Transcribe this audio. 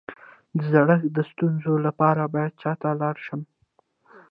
د زړښت د ستونزو لپاره باید چا ته لاړ شم؟